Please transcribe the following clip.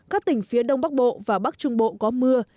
các tỉnh phía đông bắc bộ và bắc trung bộ có mưa